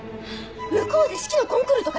向こうで指揮のコンクールとか出るの？